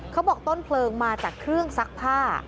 ต้นเพลิงมาจากเครื่องซักผ้า